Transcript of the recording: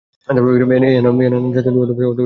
এই আনা না আনার সাথে অধ্যবসায়ের সম্পর্ক।